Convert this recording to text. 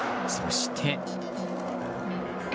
そして。